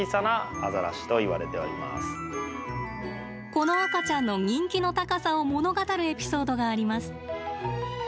この赤ちゃんの人気の高さを物語るエピソードがあります。